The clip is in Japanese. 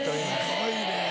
すごいね。